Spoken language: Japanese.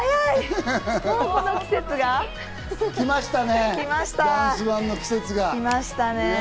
もうこの季節が来ました。